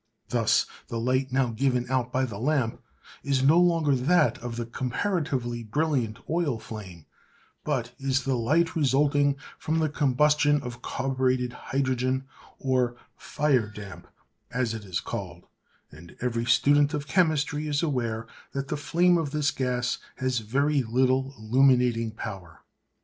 Thus the light now given out by the lamp is no longer that of the comparatively brilliant oil flame, but is the light resulting from the combustion of carburetted hydrogen, or 'fire damp,' as it is called; and every student of chemistry is aware that the flame of this gas has very little illuminating power.